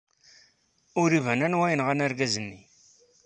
Ur iban aniwa yenɣan argaz-nni.